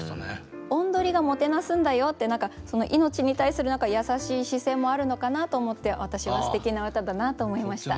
雄鶏がもてなすんだよって何かその命に対する何か優しい視線もあるのかなと思って私はすてきな歌だなと思いました。